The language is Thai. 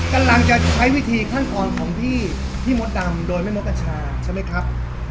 กำลังจะใช้วิธีขั้นตอนของพี่มดดำโดยไม่มดกัญชาใช่ไหมครับ